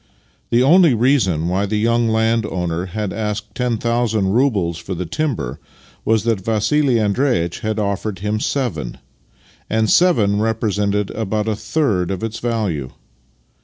The only reason wh3^ the young landowner had asked ten thousand roubles for the timber was that Vassili Andreitch had offered him seven — and seven represented about a third of its value.